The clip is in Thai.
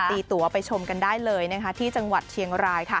ตีตัวไปชมกันได้เลยที่จังหวัดเชียงราย